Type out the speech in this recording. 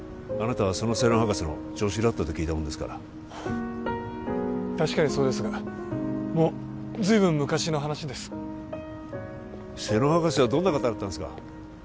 あなたはその瀬能博士の助手だったと聞いたもんですから確かにそうですがもう随分昔の話です瀬能博士はどんな方だったんですか？